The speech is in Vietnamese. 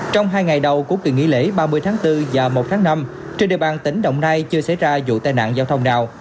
trong hai ngày đầu của kỳ nghỉ lễ ba mươi tháng bốn và một tháng năm trên địa bàn tỉnh đồng nai chưa xảy ra vụ tai nạn giao thông nào